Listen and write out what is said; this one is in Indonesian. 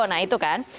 nah itu kan